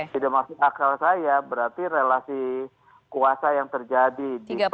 tidak masuk akal saya berarti relasi kuasa yang terjadi